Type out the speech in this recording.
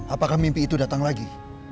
apakah mimpi itu datang lagi